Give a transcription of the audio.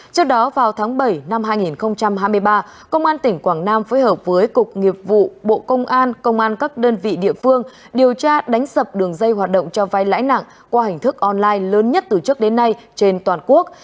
trước đó vào tháng bảy năm hai nghìn hai mươi ba công an tỉnh quảng nam phối hợp với cục nghiệp vụ bộ công an công an các đơn vị địa phương điều tra đánh sập đường dây hoạt động cho vai lãi nặng qua hình thức online lớn nhất từ trước đến nay trên toàn quốc